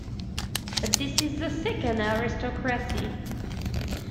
But this is the second aristocracy.